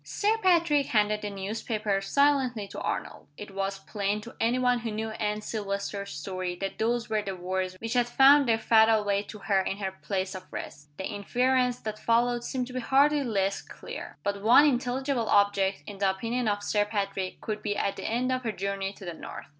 Sir Patrick handed the newspaper silently to Arnold. It was plain to any one who knew Anne Silvester's story that those were the words which had found their fatal way to her in her place of rest. The inference that followed seemed to be hardly less clear. But one intelligible object, in the opinion of Sir Patrick, could be at the end of her journey to the north.